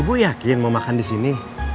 ibu yakin mau makan disini